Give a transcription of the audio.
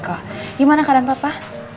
gimana keadaan papa